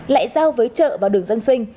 lại giao với chợ vào đường dân sinh